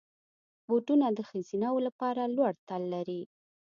بوټونه د ښځینه وو لپاره لوړ تل لري.